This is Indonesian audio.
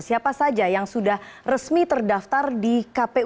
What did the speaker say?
siapa saja yang sudah resmi terdaftar di kp ud dki jakarta nesya